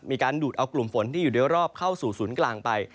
ดูดเอากลุ่มฝนที่อยู่โดยรอบเข้าสู่ศูนย์กลางไป